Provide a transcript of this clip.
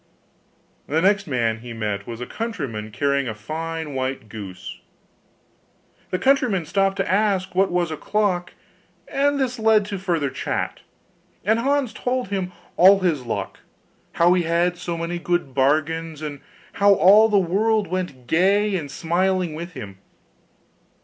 The next man he met was a countryman carrying a fine white goose. The countryman stopped to ask what was o'clock; this led to further chat; and Hans told him all his luck, how he had so many good bargains, and how all the world went gay and smiling with him.